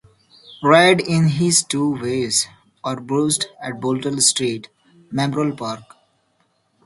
Reid in his two wives are buried at Bolton Street Memorial Park.